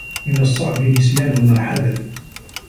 من الصّعب نسيان ما حدث.